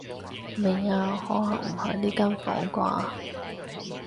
未啊，可能唔喺呢間房啩